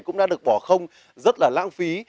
cũng đã được bỏ không rất là lãng phí